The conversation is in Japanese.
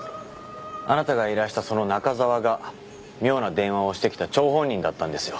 あなたが依頼したその中沢が妙な電話をしてきた張本人だったんですよ。